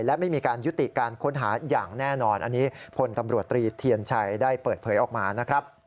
และไม่มีการยุติการค้นหาอย่างแน่นอน